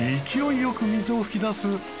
勢いよく水を噴き出す